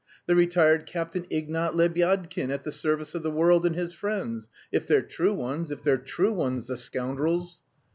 The retired Captain Ignat Lebyadkin, at the service of the world and his friends... if they're true ones, if they're true ones, the scoundrels."